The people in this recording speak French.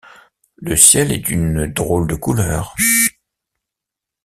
Le ciel est d’une drôle de couleur.